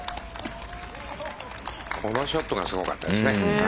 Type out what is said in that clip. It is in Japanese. このショットがすごかったですね。